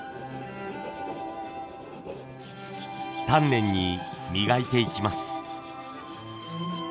丹念に磨いていきます。